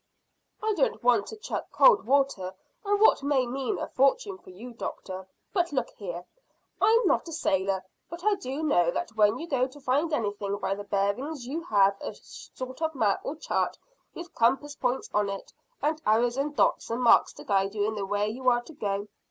"I don't want to chuck cold water on what may mean a fortune for you, doctor, but look here: I'm not a sailor, but I do know that when you go to find anything by the bearings you have a sort of map or chart with compass points on it, and arrows and dots and marks to guide you in the way you are to go.